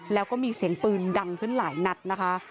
แล้วก็มีเสียงปืนดังขึ้นหลายนัดนะคะ